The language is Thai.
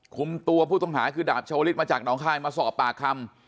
คุมตัวผู้ต้องหาคือดาบชาวลิศมาจากน้องคายมาสอบปากคำ